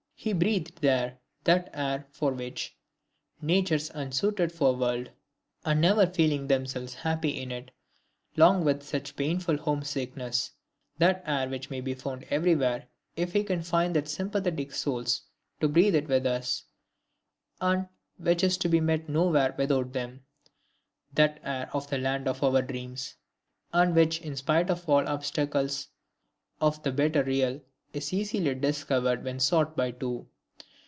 He breathed there that air for which natures unsuited for the world, and never feeling themselves happy in it, long with such a painful home sickness; that air which may be found everywhere if we can find the sympathetic souls to breathe it with us, and which is to be met nowhere without them; that air of the land of our dreams; and which in spite of all obstacles, of the bitter real, is easily discovered when sought by two!